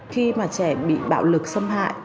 khi mà trẻ bị bạo lực xâm hại